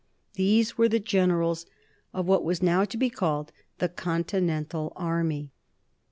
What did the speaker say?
These were the generals of what was now to be called the Continental Army.